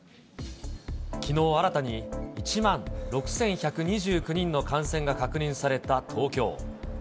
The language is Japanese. きのう新たに１万６１２９人の感染が確認された東京。